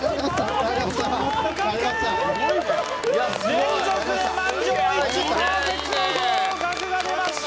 連続で満場一致パーフェクト合格が出ました